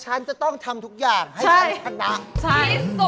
ฉันจะต้องทำทุกอย่างให้ฉันชนะใช่